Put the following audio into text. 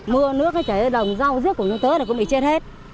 mưa nước chảy ra đồng rau rước của chúng tôi là cũng bị chết hết